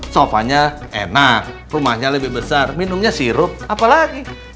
sofanya enak rumahnya lebih besar minumnya sirup apalagi